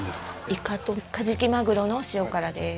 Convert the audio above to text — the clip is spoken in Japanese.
イカとカジキマグロの塩辛です